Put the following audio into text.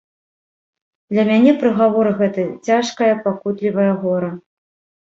Для мяне прыгавор гэты цяжкае пакутлівае гора.